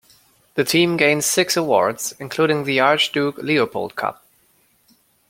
The team gained six awards including the Archduke Leopold Cup.